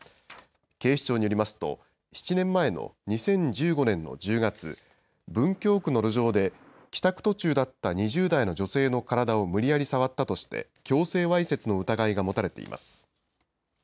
警視庁によりますと、７年前の２０１５年の１０月、文京区の路上で帰宅途中だった２０代の女性の体を無理やり触ったとして、強制わいせつの疑いが持たれています。